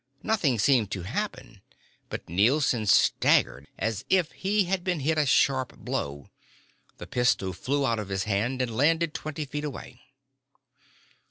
Nothing seemed to happen but Nielson staggered as if he had been hit a sharp blow. The pistol flew out of his hand and landed twenty feet away.